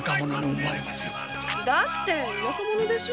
だって田舎者でしょ。